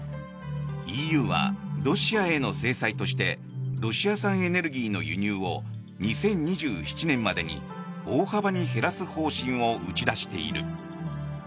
ＥＵはロシアへの制裁としてロシア産エネルギーの輸入を２０２７年までに大幅に減らす方針を打ち出している。